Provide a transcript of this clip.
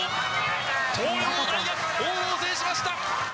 東洋大学、往路を制しました。